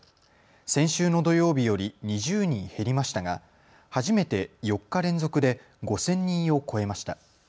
先週の土曜日より２０人減りましたが初めて４日連続で５０００人を超えました。